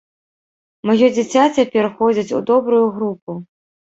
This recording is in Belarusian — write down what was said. Маё дзіця цяпер ходзіць у добрую групу.